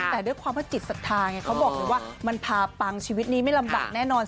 แต่ด้วยความว่าจิตศรัทธาไงเขาบอกเลยว่ามันพาปังชีวิตนี้ไม่ลำบากแน่นอน